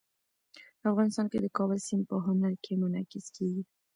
افغانستان کې د کابل سیند په هنر کې منعکس کېږي.